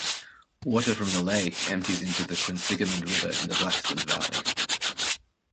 Water from the lake empties into the Quinsigamond River in the Blackstone Valley.